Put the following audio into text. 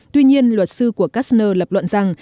tuy nhiên luật sư của kastner lập luận rằng